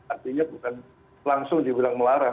artinya bukan langsung dibilang melarang